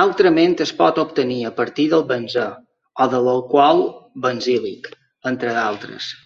Altrament es pot obtenir a partir del benzè o de l'alcohol benzílic, entre d'altres.